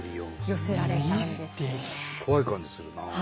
怖い感じするなあ。